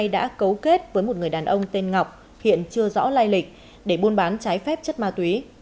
đã cấu kết với một người đàn ông tên ngọc hiện chưa rõ lai lịch để buôn bán trái phép chất ma túy